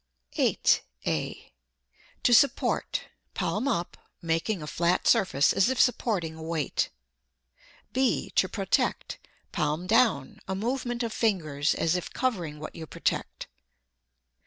8. (a) To support: palm up, making a flat surface as if supporting a weight; (b) to protect: palm down; a movement of fingers as if covering what you protect.